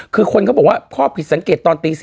คือคนเขาบอกว่าพ่อผิดสังเกตตอนตี๔